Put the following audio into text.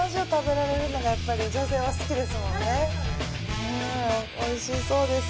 うん美味しそうです。